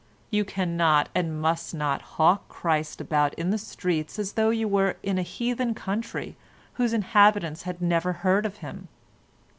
You cannot and must not hawk Christ about in the streets as though you were in a heathen country whose inhabitants had never heard of him.